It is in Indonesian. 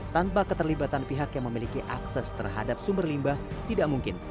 tanpa keterlibatan pihak yang memiliki akses terhadap sumber limbah tidak mungkin